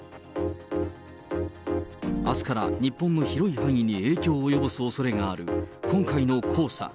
あすから日本の広い範囲に影響を及ぼす恐れがある今回の黄砂。